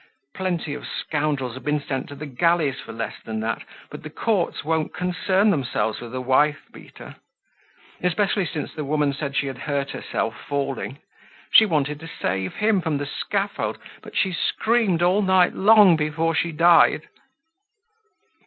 Plenty of scoundrels have been sent to the galleys for less than that, but the courts won't concern themselves with a wife beater. Especially since the woman said she had hurt herself falling. She wanted to save him from the scaffold, but she screamed all night long before she died."